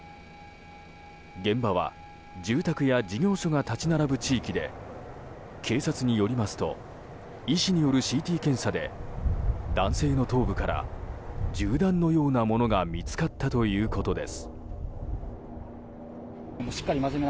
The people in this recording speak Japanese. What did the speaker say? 現場は住宅や事業所が立ち並ぶ地域で警察によりますと医師によるＣＴ検査で男性の頭部から銃弾のようなものが見つかったということです。